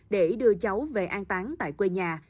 để đưa cháu về an tán tại quê nhà